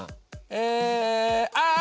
えあ